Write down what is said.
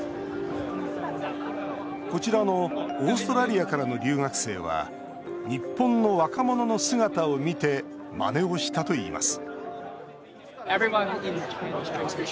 こちらのオーストラリアからの留学生は日本の若者の姿を見てまねをしたといいます